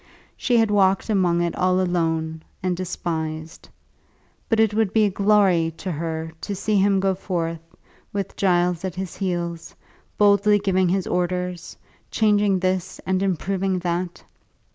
She had walked among it all alone, and despised. But it would be a glory to her to see him go forth, with Giles at his heels, boldly giving his orders, changing this and improving that.